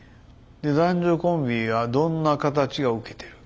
男女コンビはどんな形がウケてる。